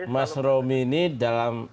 mas romi ini dalam